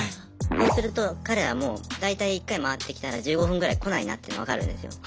そうすると彼らも大体１回回ってきたら１５分ぐらい来ないなって分かるんですよ。